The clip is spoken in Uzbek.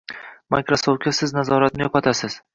Microsoftga siz nazoratni yoʻqotasiz.